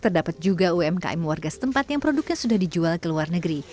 terdapat juga umkm warga setempat yang produknya sudah dijual ke luar negeri